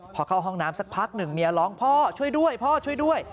พอเข้าห้องน้ำสักพักหนึ่งเมียร้องพ่อช่วยด้วยพ่อช่วยด้วย